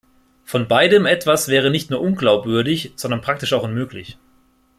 Von beidem etwas wäre nicht nur unglaubwürdig, sondern praktisch auch unmöglich.